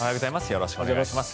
よろしくお願いします。